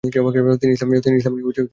তিনি ইসলাম নিয়ে পড়াশোনা করেন।